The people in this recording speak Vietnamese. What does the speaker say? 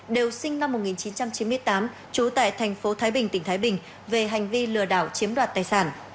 đều sinh năm một nghìn chín trăm chín mươi tám trú tại thành phố thái bình tỉnh thái bình về hành vi lừa đảo chiếm đoạt tài sản